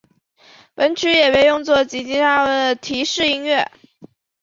本曲也被用作京急上大冈站的列车接近时的提示音乐。